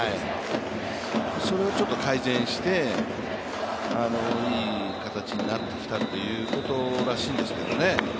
それをちょっと改善していい形になってきたということらしいんですけどね。